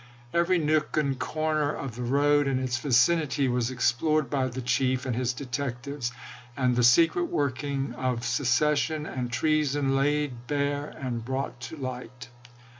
Every nook and corner of the road and its vicinity was explored by the chief and his detectives, and the secret working of secession and treason laid bare and brought to light.